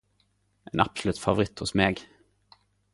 Ein absolutt favoritt hos meg!